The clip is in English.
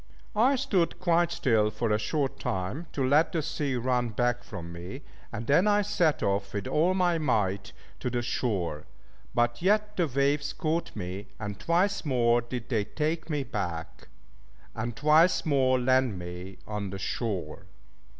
I stood quite still for a short time, to let the sea run back from me, and then I set off with all my might to the shore, but yet the waves caught me, and twice more did they take me back, and twice more land me on the shore.